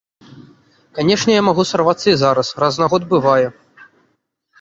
Канечне, я магу сарвацца і зараз, раз на год бывае.